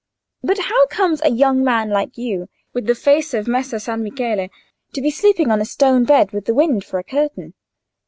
But how comes a young man like you, with the face of Messer San Michele, to be sleeping on a stone bed with the wind for a curtain?"